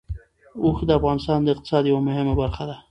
اوښ د افغانستان د اقتصاد یوه مهمه برخه ده.